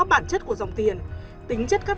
bản chất của dòng tiền tính chất các